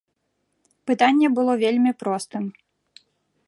Пытанне было вельмі простым.